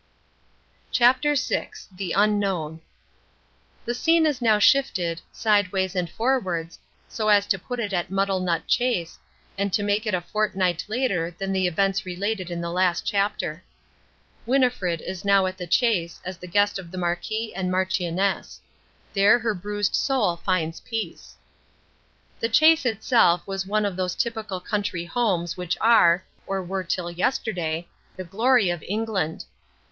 CHAPTER VI THE UNKNOWN The scene is now shifted, sideways and forwards, so as to put it at Muddlenut Chase, and to make it a fortnight later than the events related in the last chapter. Winnifred is now at the Chase as the guest of the Marquis and Marchioness. There her bruised soul finds peace. The Chase itself was one of those typical country homes which are, or were till yesterday, the glory of England.